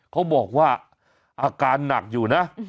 เขาบอกว่าอาการหนักอยู่นะ